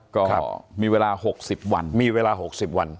ก็มีเวลา๖๐วัน